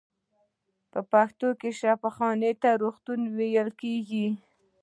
په پښتو کې شفاخانې ته روغتون ویل کیږی.